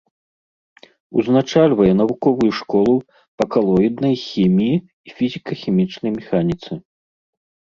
Узначальвае навуковую школу па калоіднай хіміі і фізіка-хімічнай механіцы.